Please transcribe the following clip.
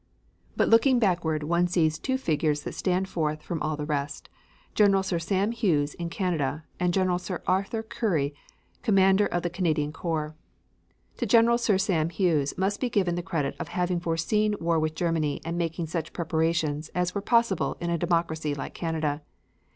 But looking backward one sees two figures that stand forth from all the rest General Sir Sam Hughes in Canada, and General Sir Arthur Currie commander of the Canadian corps. To General Sir Sam Hughes must be given the credit of having foreseen war with Germany and making such preparations as were possible in a democracy like Canada.